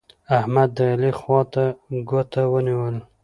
احمد؛ د علي خوا ته ګوته ونيول.